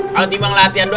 kalau timbang latihan doang